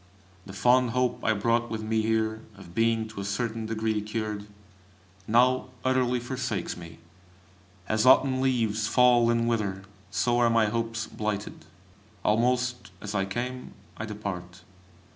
The fond hope I brought with me here, of being to a certain degree cured, now utterly forsakes me. As autumn leaves fall and wither, so are my hopes blighted. Almost as I came, I depart.